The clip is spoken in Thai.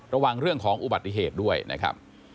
ระวังเรื่องของอุบัติเหตุด้วยนะครับ